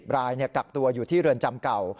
รายกักตัวอยู่ที่เรือนจำเก่า